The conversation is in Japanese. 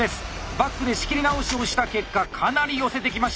バックで仕切り直しをした結果かなり寄せてきました。